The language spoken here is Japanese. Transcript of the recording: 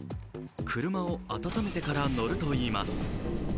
車を温めてから乗るといいます。